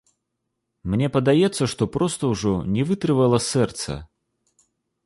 Мне падаецца, што проста ўжо не вытрывала сэрца.